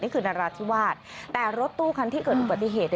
นี่คือนราธิวาสแต่รถตู้ครั้งที่เกิดอุบัติเหตุ